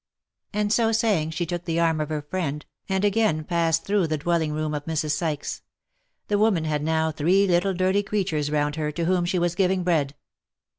And so saying she took the arm of her friend, and again passed through the dwelling room of Mrs. Sykes. The woman had now three little dirty creatures round her, to whom she was giving bread.